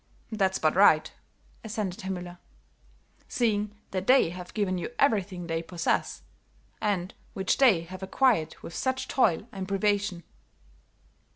"That's but right," assented Herr Müller, "seeing that they have given you everything they possess, and which they have acquired with such toil and privation."